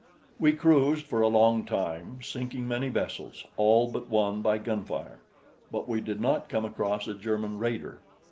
We cruised for a long time, sinking many vessels, all but one by gunfire, but we did not come across a German raider.